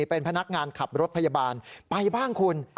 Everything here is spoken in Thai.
เป็นพนักงานขับรถพยาบาลไปบ้างคุณ